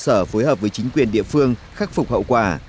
sở phối hợp với chính quyền địa phương khắc phục hậu quả